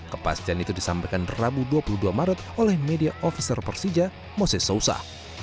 kepastian itu disampaikan rabu dua puluh dua maret oleh media ofiser persija mose sausa